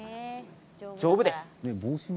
丈夫です。